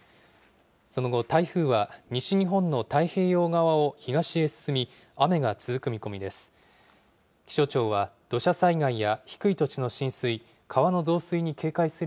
その後、台風は西日本の太平洋側を東へ進み、雨が続く見込みです。